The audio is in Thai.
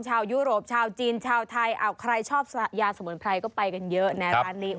ยุโรปชาวจีนชาวไทยใครชอบยาสมุนไพรก็ไปกันเยอะนะร้านนี้